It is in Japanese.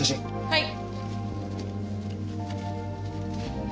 はい。